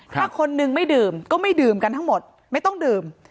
ถ้าคนนึงไม่ดื่มก็ไม่ดื่มกันทั้งหมดไม่ต้องดื่ม